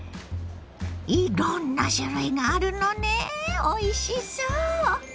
いろんな種類があるのねおいしそう！